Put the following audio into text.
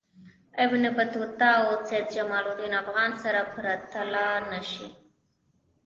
ابن بطوطه او سیدجماالدین افغان سره پرتله نه شي.